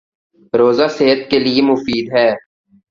روزہ صحت کے لیے مفید ہے